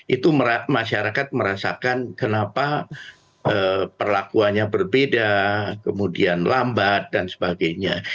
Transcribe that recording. itu masyarakat merasakan kenapa perlakuannya berbeda kemudian lambat dan sebagainya